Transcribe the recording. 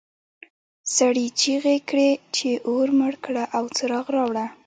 سړي چیغې کړې چې اور مړ کړه او څراغ راوړه.